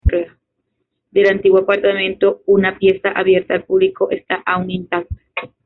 Del antiguo apartamento, una pieza abierta al público está aún intacta.